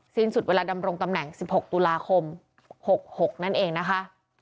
สิ้นสุดเวลาดำรงตำแหน่ง๑๖ตุลาคม๖๖นั่นเองนะคะ